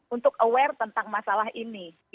untuk aware tentang masalah ini